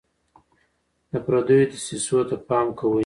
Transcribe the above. د پردیو دسیسو ته پام کوئ.